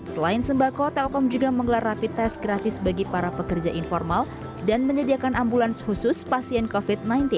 selain sembako telkom juga menggelar rapi tes gratis bagi para pekerja informal dan menyediakan ambulans khusus pasien covid sembilan belas